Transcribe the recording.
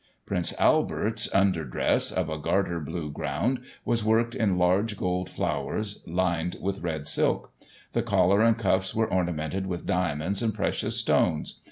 Prince Albert's under dress, of a garter blue ground, was worked in large gold flowers, lined with red silk. The collar and cuffs were ornamented with diamonds and precious stones.